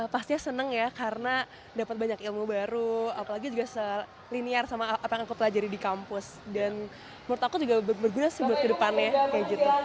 pasti senang ya karena dapat banyak ilmu baru apalagi juga selinear sama apa yang aku pelajari di kampus dan menurut aku juga berguna sih buat kedepannya kayak gitu